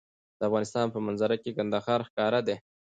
د افغانستان په منظره کې کندهار ښکاره دی.